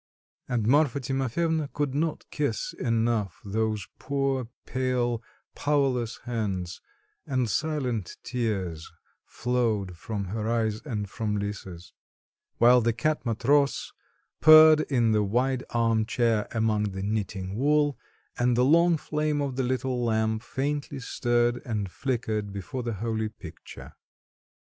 And Marfa Timofyevna could not kiss enough those poor, pale, powerless hands, and silent tears flowed from her eyes and from Lisa's; while the cat Matross purred in the wide arm chair among the knitting wool, and the long flame of the little lamp faintly stirred and flickered before the holy picture.